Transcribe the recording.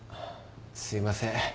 すいません。